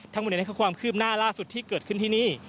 ทั้งหมดนี้คือความคืบหน้าล่าสุดที่เกิดขึ้นที่นี่